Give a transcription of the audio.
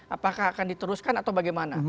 apakah akan diteruskan atau bagaimana